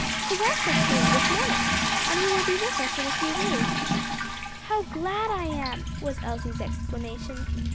His answer came this morning, and he will be with us in a few days." "How glad I am!" was Elsie's exclamation.